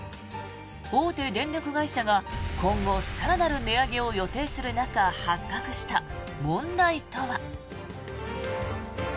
大手電力会社が今後、更なる値上げを予定する中発覚した問題とは。